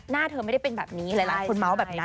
หน้าเธอไม่ได้เป็นแบบนี้หลายหลายคนม้าวแบบนั้นนะคะ